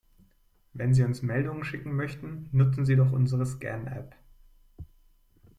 Wenn Sie uns Meldungen schicken möchten, nutzen Sie doch unsere ScanApp.